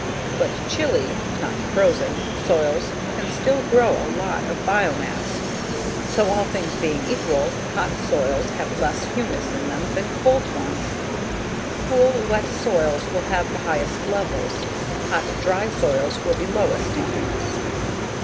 But chilly (not frozen) soils can still grow a lot of biomass. So, all things being equal, hot soils have less humus in them than cold ones. Cool, wet soils will have the highest levels; hot, dry soils will be lowest in humus.